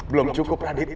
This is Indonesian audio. belum cukup adik